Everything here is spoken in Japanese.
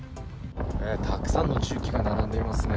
たくさんの重機が並んでいますね。